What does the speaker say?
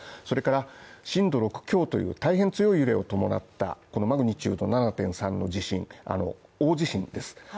それから、震度６強という大変強い揺れを伴ったら、このマグニチュード７．３の地震、あの大地震です。